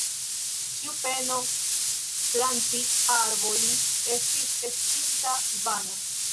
Ĉiu peno planti arbojn, estis estinta vana.